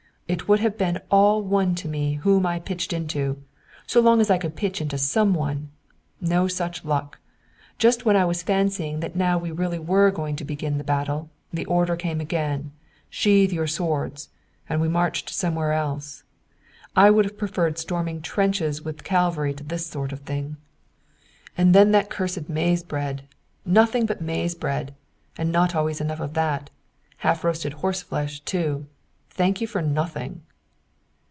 It would have been all one to me whom I pitched into, so long as I could pitch into some one. No such luck! Just when I was fancying that now we really were going to begin the battle, the order came again, 'Sheathe your swords!' and we marched somewhere else. I would have preferred storming trenches with cavalry to this sort of thing. And then that cursed maize bread! Nothing but maize bread, and not always enough of that. Half roasted horse flesh, too! Thank you for nothing!"